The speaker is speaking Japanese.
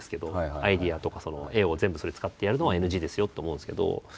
アイデアとか絵を全部それを使ってやるのはＮＧですよって思うんですけど。